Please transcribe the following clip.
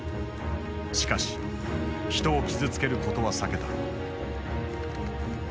しかし人を傷つけることは避けた。